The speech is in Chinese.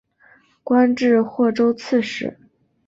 官至霍州刺史。